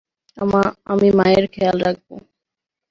আমি মায়ের খেয়াল রাখব।